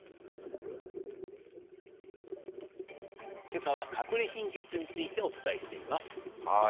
けさはかくれ貧血についてお伝えしています。